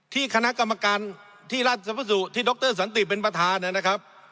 ที่คณะกรรมการที่ราชประสุทธิ์ที่ดรสันติเป็นประธานั้นนะครับ